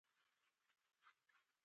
هر ډول فرق او امتياز په اوبو لاهو کېږي.